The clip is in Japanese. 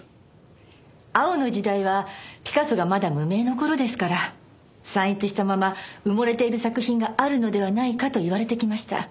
青の時代はピカソがまだ無名の頃ですから散逸したまま埋もれている作品があるのではないかと言われてきました。